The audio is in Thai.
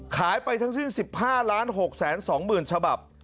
ไปทั้งสิ้น๑๕๖๒๐๐๐ฉบับ